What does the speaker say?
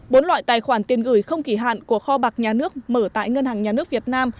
bốn loại tài khoản tiền gửi không kỳ hạn của kho bạc nhà nước mở tại ngân hàng nhà nước việt nam